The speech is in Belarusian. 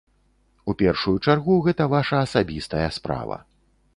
У першую чаргу, гэта ваша асабістая справа.